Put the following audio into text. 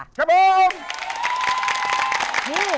กระโบ้ม